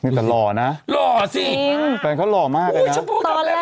นี่แต่หล่อนะจริงแฟนเขาหล่อมากเลยนะตอนแรกเลย